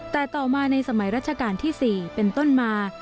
แต่ต่อมาในสมัยรัชกาลที่๔เป็นต้นมา